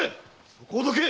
そこをどけ！